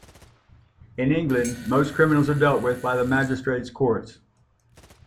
In England, most criminals are dealt with by the Magistrates’ Courts.